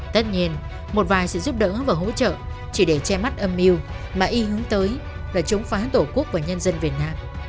tất nhiên một vài sự giúp đỡ và hỗ trợ chỉ để che mắt âm mưu mà y hướng tới là chống phá tổ quốc và nhân dân việt nam